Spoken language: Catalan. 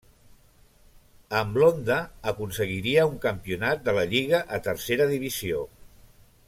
Amb l'Onda aconseguiria un campionat de la lliga a Tercera Divisió.